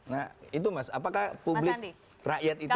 nah itu mas apakah publik rakyat itu